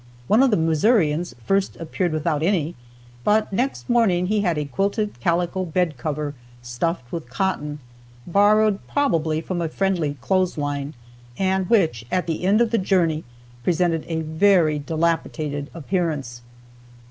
One of the Missourians first appeared without any, but next morning he had a quilted calico bed cover, stuffed with cotton, borrowed probably from a friendly clothesline, and which, at the end of the journey, presented a very dilapidated appearance.